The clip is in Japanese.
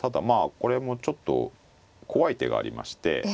これもちょっと怖い手がありまして